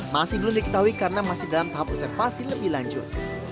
masih belum diketahui karena masih dalam tahap oservasi lebih lanjut